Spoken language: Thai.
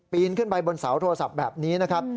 นขึ้นไปบนเสาโทรศัพท์แบบนี้นะครับ